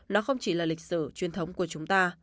nó không chỉ là lịch sử truyền thống của chúng ta